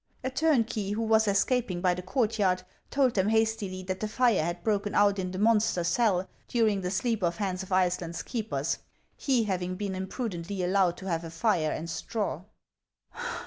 A turnkey, who was escaping by the courtyard, told them hastily that the fire had broken out in the mon ster's cell during the sleep of Hans of Iceland's keepers, he having been imprudently allowed to have a fire and straw.